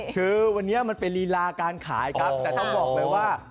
คือวันนี้มันเป็นลีลาการขายครับแต่ต้องบอกเลยว่า